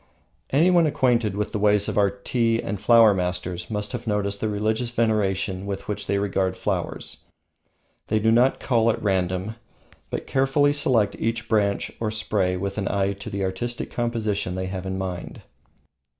Anyone acquainted with the ways of our tea and flower masters must have noticed the religious veneration with which they regard flowers. They do not cull at random, but carefully select each branch or spray with an eye to the artistic composition they have in mind.